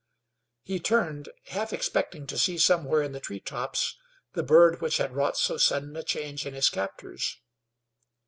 He turned, half expecting to see somewhere in the tree tops the bird which had wrought so sudden a change in his captors.